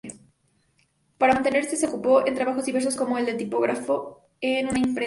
Para mantenerse se ocupó en trabajos diversos, como el de tipógrafo en una imprenta.